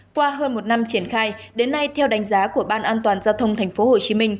qua hơn một năm triển khai đến nay theo đánh giá của ban an toàn giao thông tp hcm